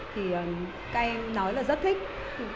thì các em nói là rất thích